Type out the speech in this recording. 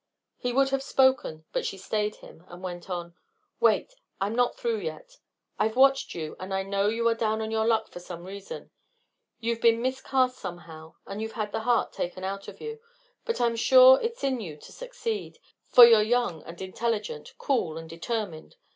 He would have spoken, but she stayed him, and went on: "Wait; I'm not through yet. I've watched you, and I know you are down on your luck for some reason. You've been miscast somehow and you've had the heart taken out of you; but I'm sure it's in you to succeed, for you're young and intelligent, cool and determined.